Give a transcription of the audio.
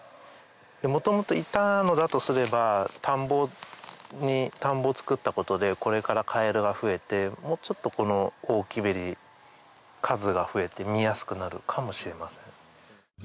元々いたのだとすれば田んぼを作ったことでこれからカエルが増えてもうちょっとこのオオキベリ数が増えて見やすくなるかもしれません。